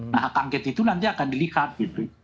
nah hak angket itu nanti akan dilihat